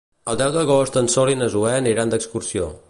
El deu d'agost en Sol i na Zoè aniran d'excursió.